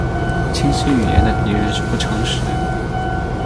清晰语言的敌人是不诚实。